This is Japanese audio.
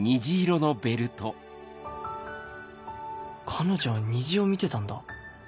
彼女は虹を見てたんだ